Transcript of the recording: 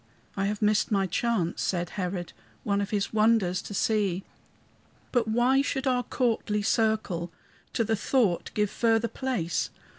"I have missed my chance," said Herod, "One of his wonders to see. "But why should our courtly circle To the thought give further place?